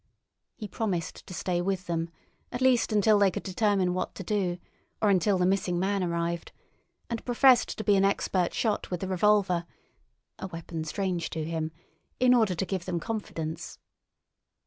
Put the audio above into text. He promised to stay with them, at least until they could determine what to do, or until the missing man arrived, and professed to be an expert shot with the revolver—a weapon strange to him—in order to give them confidence.